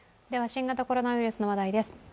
新型コロナウイルスの話題です。